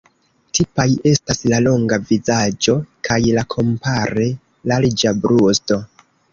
Tipaj estas la longa vizaĝo kaj la kompare larĝa brusto.